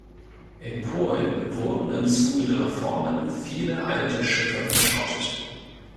In Polen wurden im Zuge der Reformen viele alte Schiffe verschrottet.